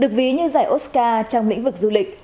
được ví như giải oscar trong lĩnh vực du lịch